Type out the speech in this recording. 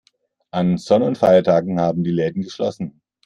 An Sonn- und Feiertagen haben die Läden geschlossen.